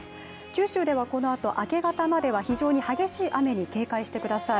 九州ではこのあと、明け方までは非常に激しい雨に警戒してください。